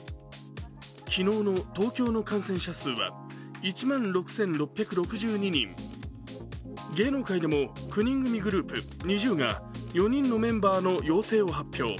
昨日の東京の感染者数は１万６６６２人芸能界でも９人組グループ、ＮｉｚｉＵが４人のメンバーの陽性を発表。